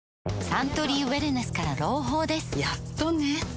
サントリーウエルネスから朗報ですやっとね